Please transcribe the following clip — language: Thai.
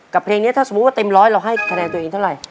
กับเพลงนี้จุดที่เต็มร้อยเราให้คะแนนตัวเองเท่าไร